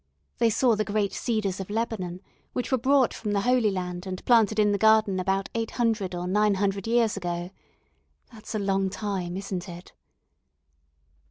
They saw the great cedars of Lebanon, which were brought from the Holy Land, and planted in the garden about 800 or 900 years ago. That's a long time, isn't it?